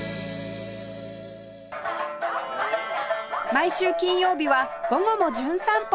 毎週金曜日は『午後もじゅん散歩』